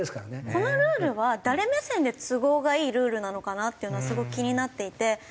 このルールは誰目線で都合がいいルールなのかなっていうのはすごい気になっていて。